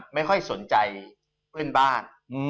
ไม่ค่อยสนใจเพื่อนบ้าน